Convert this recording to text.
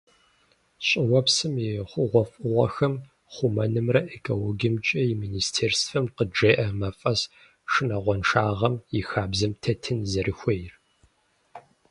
ЩӀыуэпсым и хъугъуэфӀыгъуэхэр хъумэнымрэ экологиемкӀэ и министерствэм къыджеӏэ мафӀэс шынагъуэншагъэм и хабзэм тетын зэрыхуейр.